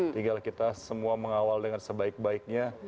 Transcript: tinggal kita semua mengawal dengan sebaik baiknya